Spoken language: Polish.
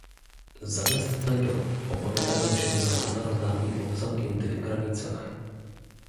Zamiast tego opowiadają się za narodami o zamkniętych granicach